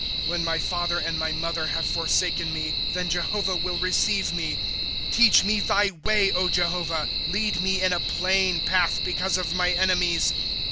^•^ When my father and my mother have forsaken me, Then Jehovah will receive me. ^' Teach me thy way, O Jehovah ; Lead me in a plain path, because of my enemies.